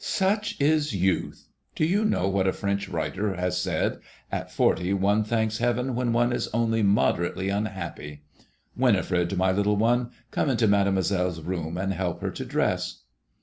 '' Such is youth 1 Do you know what a French writer has said — at forty one thanks heaven when one is only moderately un happy. Winifred, my little one, come into Mademoiselle's room and help her to dress."